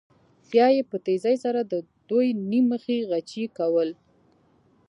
بیا به یې په تېزۍ سره د دوی نیم مخي غچي کول.